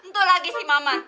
tuh lagi si mama